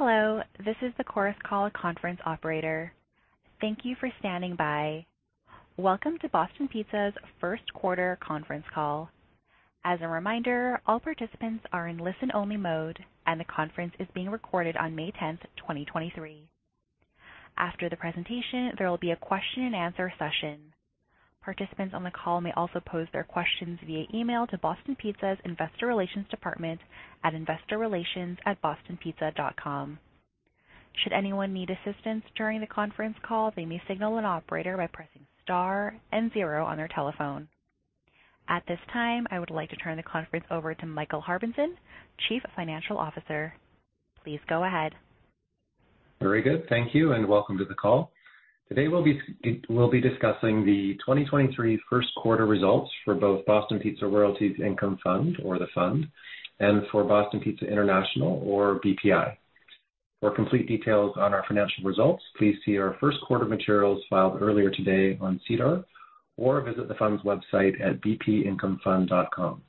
Hello, this is the Chorus Call conference operator. Thank you for standing by. Welcome to Boston Pizza's first quarter conference call. As a reminder, all participants are in listen-only mode, and the conference is being recorded on May 10, 2023. After the presentation, there will be a question and answer session. Participants on the call may also pose their questions via email to Boston Pizza's Investor Relations Department at investorrelations@bostonpizza.com. Should anyone need assistance during the conference call, they may signal an operator by pressing star and zero on their telephone. At this time, I would like to turn the conference over to Michael Harbinson, Chief Financial Officer. Please go ahead. Very good. Thank you. Welcome to the call. Today we'll be discussing the 2023 1st quarter results for both Boston Pizza Royalties Income Fund, or the Fund, and for Boston Pizza International, or BPI. For complete details on our financial results, please see our 1st quarter materials filed earlier today on SEDAR or visit the Fund's website at bpincomefund.com.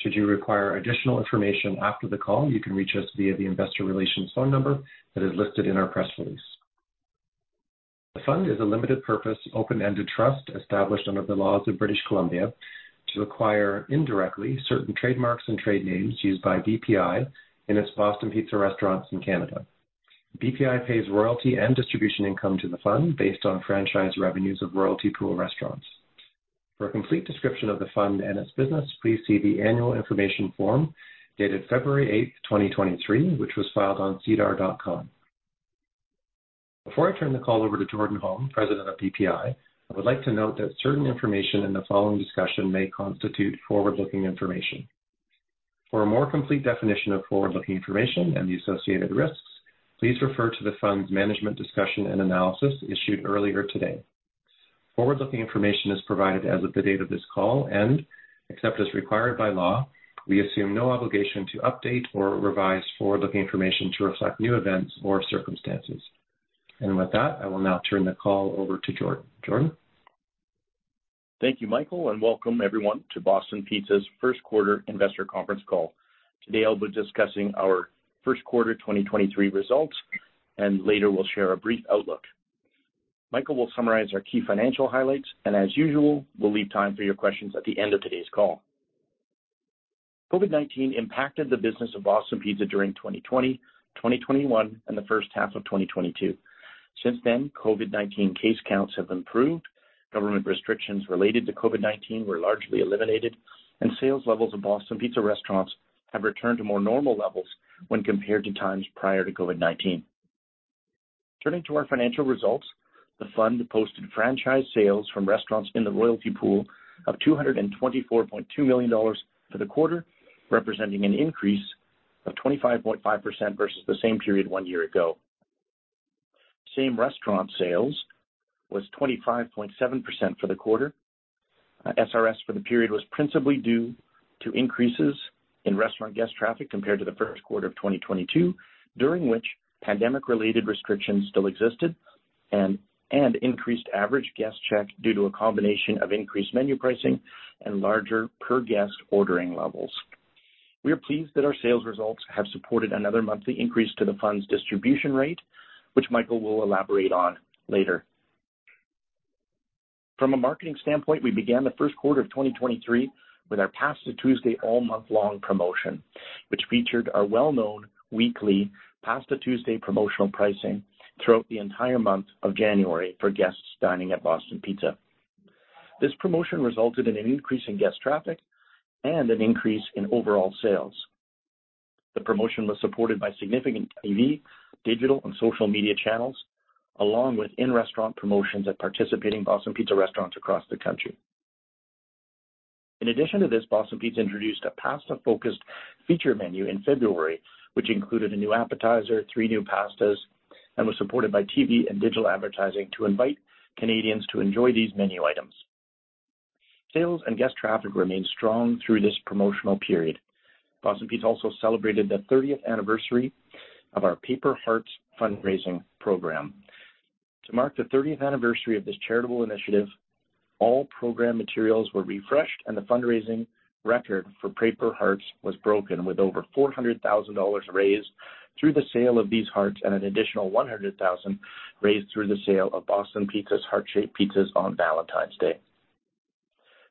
Should you require additional information after the call, you can reach us via the investor relations phone number that is listed in our press release. The Fund is a limited purpose, open-ended trust established under the laws of British Columbia to acquire, indirectly, certain trademarks and trade names used by BPI in its Boston Pizza restaurants in Canada. BPI pays royalty and distribution income to the Fund based on franchise revenues of royalty pool restaurants. For a complete description of the Fund and its business, please see the annual information form dated 8th February 2023, which was filed on sedar.com. Before I turn the call over to Jordan Holm, President of BPI, I would like to note that certain information in the following discussion may constitute forward-looking information. For a more complete definition of forward-looking information and the associated risks, please refer to the Fund's management discussion and analysis issued earlier today. Forward-looking information is provided as of the date of this call and, except as required by law, we assume no obligation to update or revise forward-looking information to reflect new events or circumstances. With that, I will now turn the call over to Jordan. Jordan? Thank you, Michael. Welcome everyone to Boston Pizza's first quarter 2023 results. Later we'll share a brief outlook. Michael will summarize our key financial highlights. As usual, we'll leave time for your questions at the end of today's call. COVID-19 impacted the business of Boston Pizza during 2020, 2021, and the first half of 2022. Since then, COVID-19 case counts have improved, government restrictions related to COVID-19 were largely eliminated, and sales levels of Boston Pizza restaurants have returned to more normal levels when compared to times prior to COVID-19. Turning to our financial results, the Fund posted franchise sales from restaurants in the royalty pool of 224.2 million dollars for the quarter, representing an increase of 25.5% versus the same period 1 year ago. Same Restaurant Sales was 25.7% for the quarter. SRS for the period was principally due to increases in restaurant guest traffic compared to the first quarter of 2022, during which pandemic-related restrictions still existed and increased average guest check due to a combination of increased menu pricing and larger per guest ordering levels. We are pleased that our sales results have supported another monthly increase to the Fund's distribution rate, which Michael will elaborate on later. From a marketing standpoint, we began the first quarter of 2023 with our Pasta Tuesday All Month Long promotion, which featured our well-known weekly Pasta Tuesday promotional pricing throughout the entire month of January for guests dining at Boston Pizza. This promotion resulted in an increase in guest traffic and an increase in overall sales. The promotion was supported by significant TV, digital, and social media channels, along with in-restaurant promotions at participating Boston Pizza restaurants across the country. In addition to this, Boston Pizza introduced a pasta-focused feature menu in February, which included a new appetizer, three new pastas, and was supported by TV and digital advertising to invite Canadians to enjoy these menu items. Sales and guest traffic remained strong through this promotional period. Boston Pizza also celebrated the 30th anniversary of our Paper Hearts fundraising program. To mark the 30th anniversary of this charitable initiative, all program materials were refreshed, and the fundraising record for Paper Hearts was broken with over 400,000 dollars raised through the sale of these hearts and an additional 100,000 raised through the sale of Boston Pizza's heart-shaped pizzas on Valentine's Day.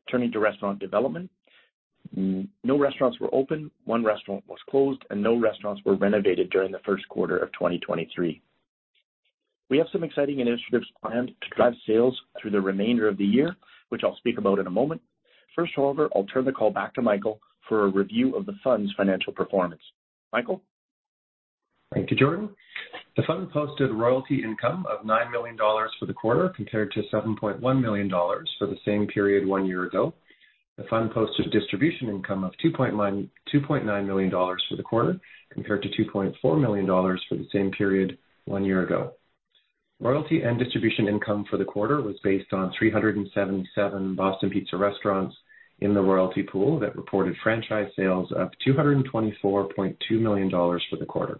Turning to restaurant development, no restaurants were opened, 1 restaurant was closed, and no restaurants were renovated during the first quarter of 2023. We have some exciting initiatives planned to drive sales through the remainder of the year, which I'll speak about in a moment. First, however, I'll turn the call back to Michael for a review of the Fund's financial performance. Michael? Thank you, Jordan. The Fund posted royalty income of 9 million dollars for the quarter, compared to 7.1 million dollars for the same period one year ago. The Fund posted distribution income of 2.9 million dollars for the quarter, compared to 2.4 million dollars for the same period one year ago. Royalty and distribution income for the quarter was based on 377 Boston Pizza restaurants in the royalty pool that reported franchise sales of 224.2 million dollars for the quarter.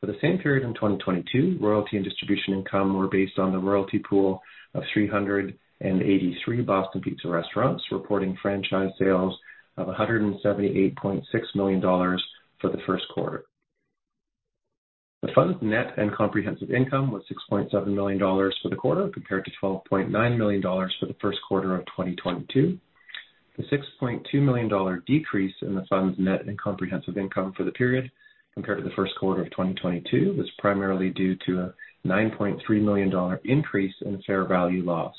For the same period in 2022, royalty and distribution income were based on the royalty pool of 383 Boston Pizza restaurants, reporting franchise sales of 178.6 million dollars for the first quarter. The fund's net and comprehensive income was 6.7 million dollars for the quarter, compared to 12.9 million dollars for the first quarter of 2022. The 6.2 million dollar decrease in the fund's net and comprehensive income for the period compared to the first quarter of 2022 was primarily due to a 9.3 million dollar increase in fair value loss,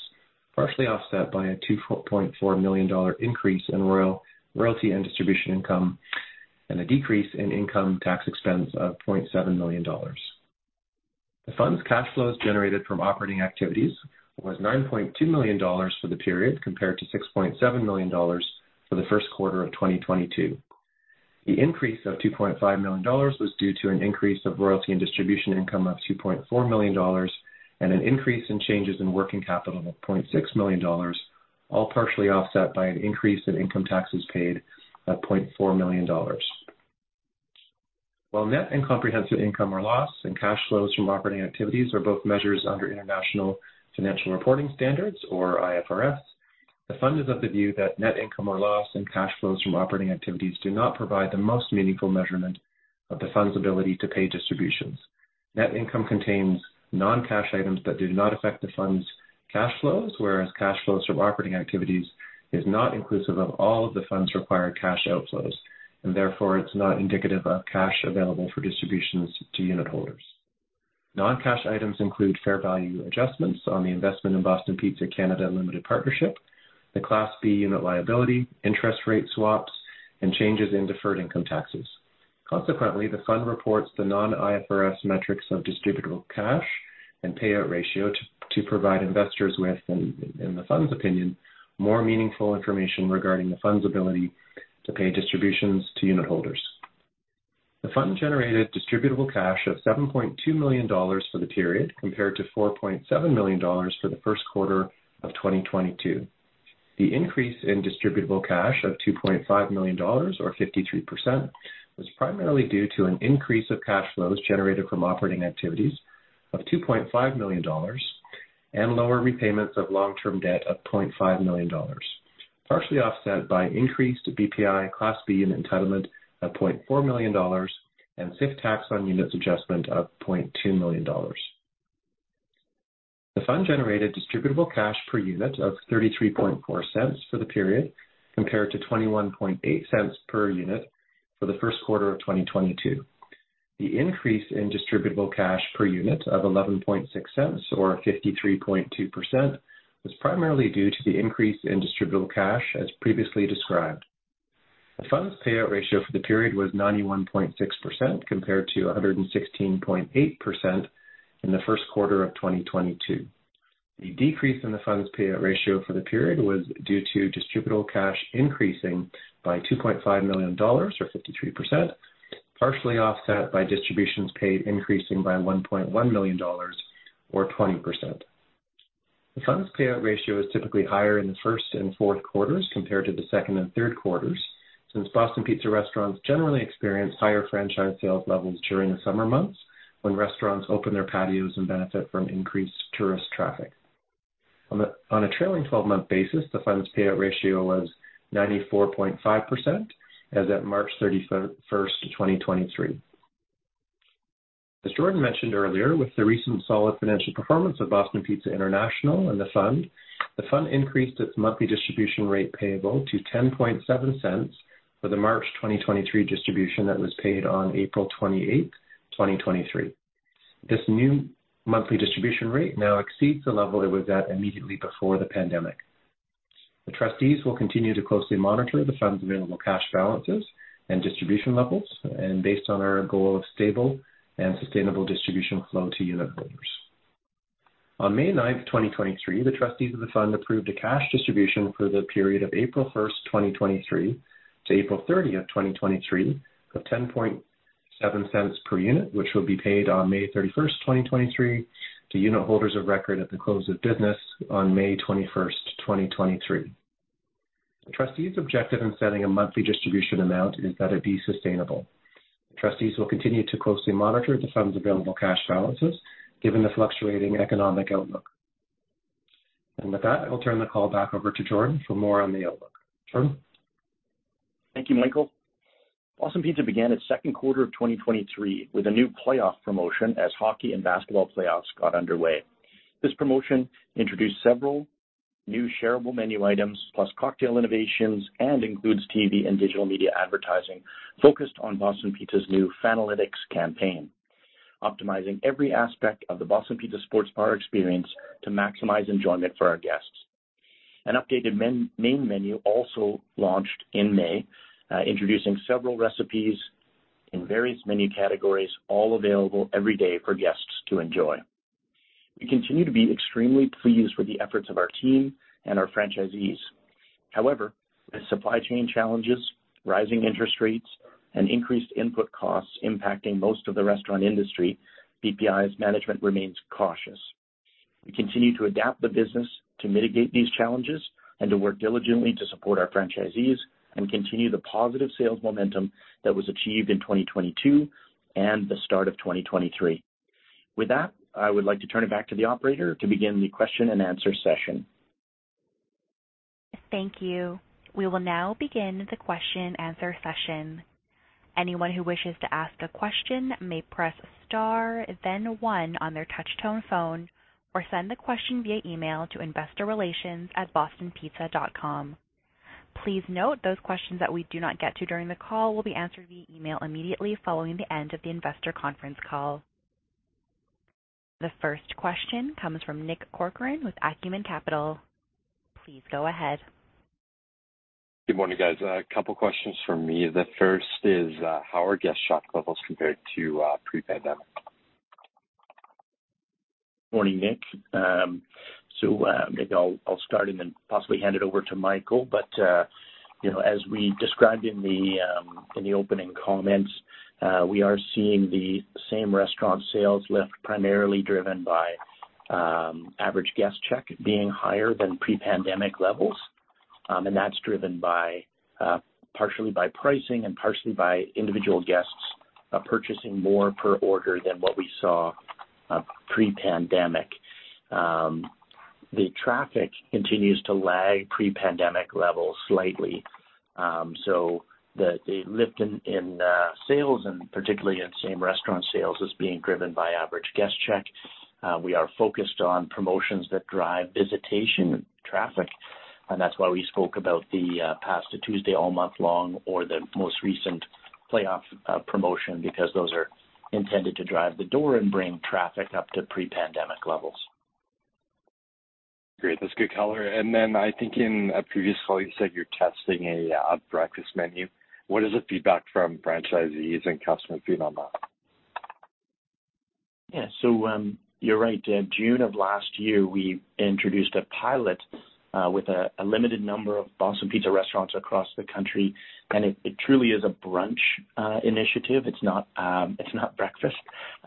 partially offset by a 2.4 million dollar increase in royalty and distribution income and a decrease in income tax expense of 0.7 million dollars. The fund's cash flows generated from operating activities was 9.2 million dollars for the period, compared to 6.7 million dollars for the first quarter of 2022. The increase of 2.5 million dollars was due to an increase of royalty and distribution income of 2.4 million dollars and an increase in changes in working capital of 0.6 million dollars, all partially offset by an increase in income taxes paid of CAD 0.4 million. While net and comprehensive income or loss and cash flows from operating activities are both measures under International Financial Reporting Standards, or IFRS, the fund is of the view that net income or loss and cash flows from operating activities do not provide the most meaningful measurement of the fund's ability to pay distributions. Net income contains non-cash items that do not affect the fund's cash flows, whereas cash flows from operating activities is not inclusive of all of the fund's required cash outflows, and therefore it's not indicative of cash available for distributions to unitholders. Non-cash items include fair value adjustments on the investment in Boston Pizza Canada Limited Partnership, the Class B unit liability, interest rate swaps, and changes in deferred income taxes. Consequently, the Fund reports the non-IFRS metrics of Distributable Cash and Payout Ratio to provide investors with, in the Fund's opinion, more meaningful information regarding the Fund's ability to pay distributions to unitholders. The Fund generated Distributable Cash of 7.2 million dollars for the period, compared to 4.7 million dollars for the first quarter of 2022. The increase in Distributable Cash of 2.5 million dollars or 53% was primarily due to an increase of cash flows generated from operating activities of 2.5 million dollars and lower repayments of long-term debt of 0.5 million dollars, partially offset by increased BPI Class B Unit entitlement of 0.4 million dollars and SIFT Tax on Units adjustment of 0.2 million dollars. The Fund generated Distributable Cash per unit of 0.334 for the period, compared to 0.218 per unit for the first quarter of 2022. The increase in Distributable Cash per unit of 0.116 or 53.2% was primarily due to the increase in Distributable Cash as previously described. The Fund's Payout Ratio for the period was 91.6% compared to 116.8% in the first quarter of 2022. The decrease in the Fund's Payout Ratio for the period was due to Distributable Cash increasing by 2.5 million dollars or 53%, partially offset by distributions paid increasing by 1.1 million dollars or 20%. The Fund's Payout Ratio is typically higher in the first and fourth quarters compared to the second and third quarters, since Boston Pizza restaurants generally experience higher franchise sales levels during the summer months when restaurants open their patios and benefit from increased tourist traffic. On a trailing 12-month basis, the Fund's Payout Ratio was 94.5% as at 31st March 2023. As Jordan mentioned earlier, with the recent solid financial performance of Boston Pizza International and the fund, the fund increased its monthly distribution rate payable to 0.107 for the March 2023 distribution that was paid on 28th April 2023. This new monthly distribution rate now exceeds the level it was at immediately before the pandemic. The trustees will continue to closely monitor the fund's available cash balances and distribution levels. Based on our goal of stable and sustainable distribution flow to unitholders, on 9th May 2023, the trustees of the fund approved a cash distribution for the period of 1st April 2023 to 30th April 2023 of 0.107 per unit, which will be paid on 31st May 2023 to unitholders of record at the close of business on 21st May, 2023. The trustees' objective in setting a monthly distribution amount is that it be sustainable. The trustees will continue to closely monitor the fund's available cash balances given the fluctuating economic outlook. With that, I'll turn the call back over to Jordan for more on the outlook. Jordan? Thank you, Michael. Boston Pizza began its second quarter of 2023 with a new playoff promotion as hockey and basketball playoffs got underway. This promotion introduced several new shareable menu items plus cocktail innovations and includes TV and digital media advertising focused on Boston Pizza's new Fanalytics campaign, optimizing every aspect of the Boston Pizza sports bar experience to maximize enjoyment for our guests. An updated main menu also launched in May, introducing several recipes in various menu categories, all available every day for guests to enjoy. We continue to be extremely pleased with the efforts of our team and our franchisees. However, with supply chain challenges, rising interest rates, and increased input costs impacting most of the restaurant industry, BPI's management remains cautious. We continue to adapt the business to mitigate these challenges and to work diligently to support our franchisees and continue the positive sales momentum that was achieved in 2022 and the start of 2023. With that, I would like to turn it back to the operator to begin the question and answer session. Thank you. We will now begin the question-answer session. Anyone who wishes to ask a question may press star then 1 on their touch-tone phone or send the question via email to investorrelations@bostonpizza.com. Please note, those questions that we do not get to during the call will be answered via email immediately following the end of the investor Conference call. The first question comes from Nick Corcoran with Acumen Capital. Please go ahead. Good morning, guys. A couple questions from me. The first is, how are guest shop levels compared to pre-pandemic? Morning, Nick. maybe I'll start and then possibly hand it over to Michael. you know, as we described in the opening comments, we are seeing the Same Restaurant Sales lift primarily driven by average guest check being higher than pre-pandemic levels. That's driven by partially by pricing and partially by individual guests purchasing more per order than what we saw pre-pandemic. The traffic continues to lag pre-pandemic levels slightly. The lift in sales and particularly in Same Restaurant Sales is being driven by average guest check. We are focused on promotions that drive visitation traffic, and that's why we spoke about the Pasta Tuesday All Month Long or the most recent playoff promotion because those are intended to drive the door and bring traffic up to pre-pandemic levels. Great. That's good color. I think in a previous call you said you're testing a breakfast menu. What is the feedback from franchisees and customer feedback on that? Yeah. You're right. In June of last year, we introduced a pilot with a limited number of Boston Pizza restaurants across the country, it truly is a brunch initiative. It's not breakfast,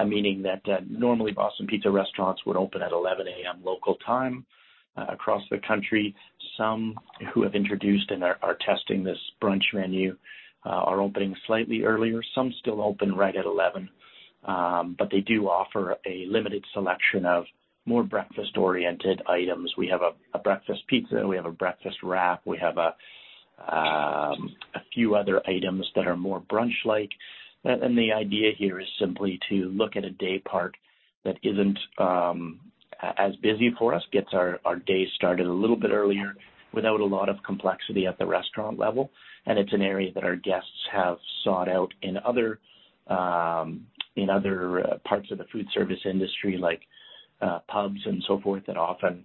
meaning that normally Boston Pizza restaurants would open at 11:00 A.M. local time across the country. Some who have introduced and are testing this brunch menu are opening slightly earlier. Some still open right at 11. They do offer a limited selection of more breakfast-oriented items. We have a breakfast pizza, and we have a breakfast wrap. We have a few other items that are more brunch-like. The idea here is simply to look at a day part that isn't as busy for us, gets our day started a little bit earlier without a lot of complexity at the restaurant level. It's an area that our guests have sought out in other, in other parts of the food service industry like pubs and so forth that often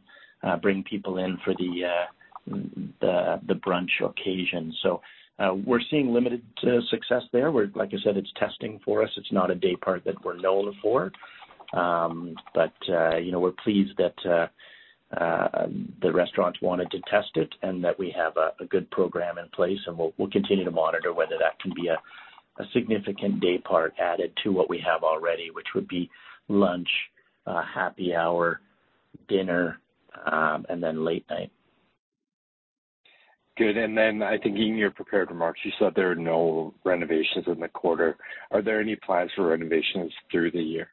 bring people in for the brunch occasion. We're seeing limited success there, where, like I said, it's testing for us. It's not a day part that we're known for. You know, we're pleased that the restaurants wanted to test it and that we have a good program in place, and we'll continue to monitor whether that can be a significant day part added to what we have already, which would be lunch, happy hour, dinner, and then late night. Good. I think in your prepared remarks, you said there are no renovations in the quarter. Are there any plans for renovations through the year?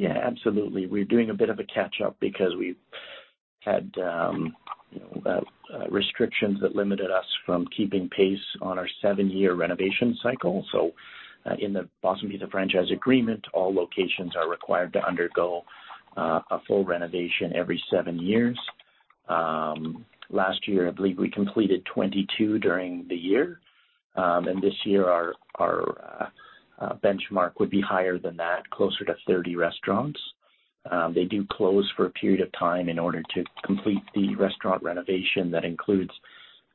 Absolutely. We're doing a bit of a catch-up because we've had, you know, restrictions that limited us from keeping pace on our seven-year renovation cycle. In the Boston Pizza franchise agreement, all locations are required to undergo a full renovation every seven years. Last year, I believe we completed 22 during the year. This year our benchmark would be higher than that, closer to 30 restaurants. They do close for a period of time in order to complete the restaurant renovation. That includes,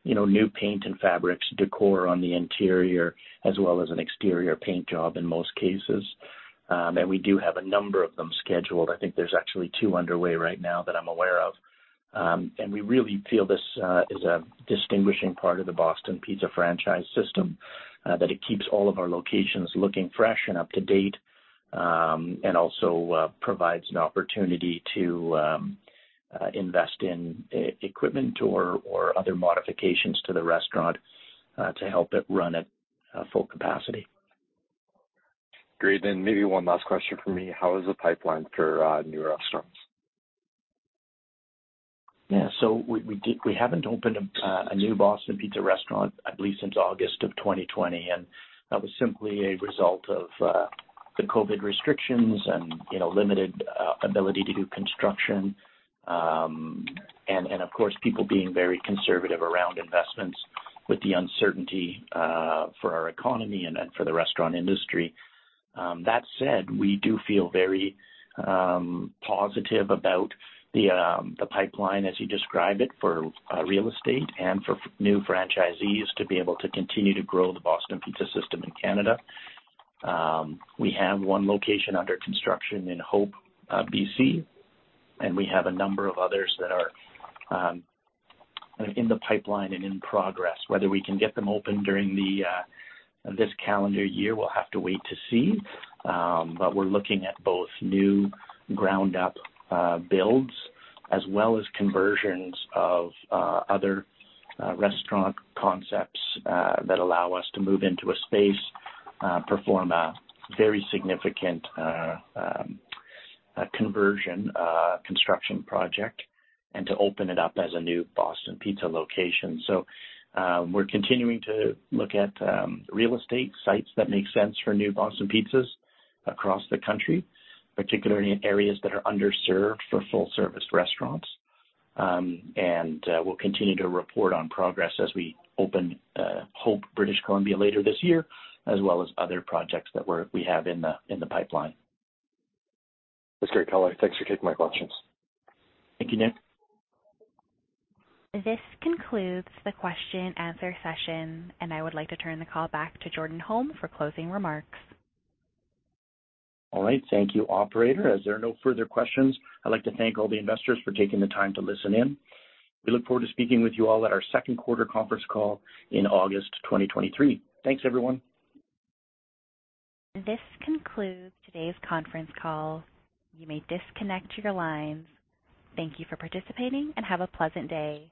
you know, new paint and fabrics, decor on the interior, as well as an exterior paint job in most cases. We do have a number of them scheduled. I think there's actually two underway right now that I'm aware of. We really feel this is a distinguishing part of the Boston Pizza franchise system that it keeps all of our locations looking fresh and up to date, and also provides an opportunity to invest in e-equipment or other modifications to the restaurant to help it run at full capacity. Great. Maybe one last question from me. How is the pipeline for newer restaurants? Yeah. We haven't opened a new Boston Pizza restaurant, I believe, since August of 2020, and that was simply a result of the COVID restrictions and, you know, limited ability to do construction. And of course, people being very conservative around investments with the uncertainty for our economy and for the restaurant industry. That said, we do feel very positive about the pipeline as you described it for real estate and for new franchisees to be able to continue to grow the Boston Pizza system in Canada. We have one location under construction in Hope, BC, and we have a number of others that are in the pipeline and in progress. Whether we can get them open during this calendar year, we'll have to wait to see. We're looking at both new ground up builds as well as conversions of other restaurant concepts that allow us to move into a space, perform a very significant conversion construction project and to open it up as a new Boston Pizza location. We're continuing to look at real estate sites that make sense for new Boston Pizzas across the country, particularly in areas that are underserved for full service restaurants. We'll continue to report on progress as we open Hope, British Columbia later this year, as well as other projects that we have in the pipeline. That's great, Kelly. Thanks for taking my questions. Thank you, Nick. This concludes the question and answer session, and I would like to turn the call back to Jordan Holm for closing remarks. All right. Thank you, operator. As there are no further questions, I'd like to thank all the investors for taking the time to listen in. We look forward to speaking with you all at our second quarter conference call in August 2023. Thanks, everyone. This concludes today's conference call. You may disconnect your lines. Thank you for participating, and have a pleasant day.